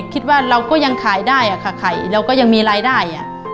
คิดว่าเราก็ยังขายได้ค่ะขายเราก็ยังมีรายได้